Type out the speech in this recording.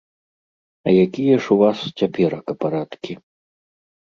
А якія ж у вас цяперака парадкі?